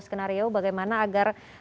skenario bagaimana agar